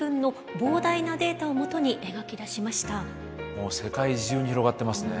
もう世界中に広がってますね。